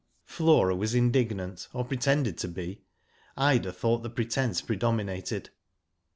Flora was indignant, or pretended to be. Ida thought the pretence predominated.